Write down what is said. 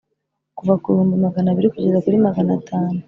kuva ku bihumbi magana abiri kugeza kuri maganatanu